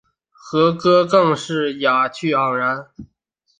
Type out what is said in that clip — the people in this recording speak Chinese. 和歌更是雅趣盎然。